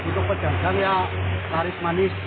itu pedang dan ya taris manis